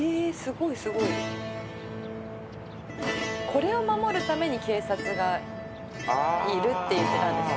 「これを守るために警察がいるって言ってたんですね」